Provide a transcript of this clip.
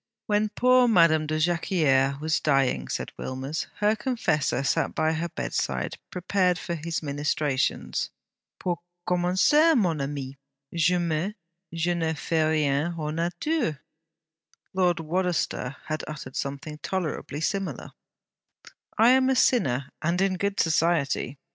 'When poor Madame de Jacquieres was dying,' said Wilmers, 'her confessor sat by her bedside, prepared for his ministrations. "Pour commencer, mon ami, jamais je n'ai fait rien hors nature."' Lord Wadaster had uttered something tolerably similar: 'I am a sinner, and in good society.'